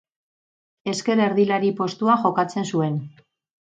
Ezker erdilari postuan jokatzen zuen.